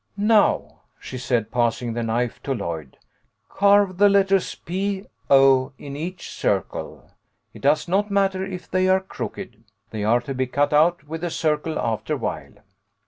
"Now," she said, passing the knife to Lloyd, "carve the letters P O in each circle. It does not matter if they are crooked. They are to be cut out with the circle afterwhile.